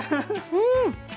うん！